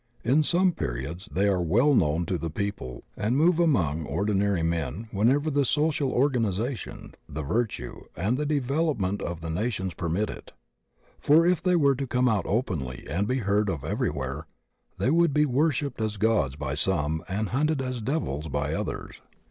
In some periods they are well known to the people and move among ordinary men whenever the social organization, 3ie virtue, and the devel opment of the nations permit it. For if they were to come out openly and be heard of everywhere, they would be worshipped as gods by some and hunted as devils by others.